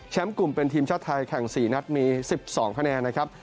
กลุ่มเป็นทีมชาติไทยแข่ง๔นัดมี๑๒คะแนนนะครับ